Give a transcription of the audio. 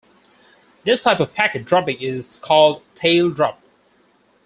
This type of packet dropping is called tail drop.